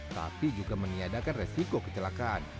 tapi juga meniadakan resiko kecelakaan